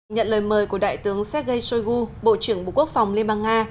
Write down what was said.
nhận lời mời của đại tướng sergei shoigu bộ trưởng bộ quốc phòng liên bang nga